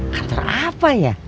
kantor apa ya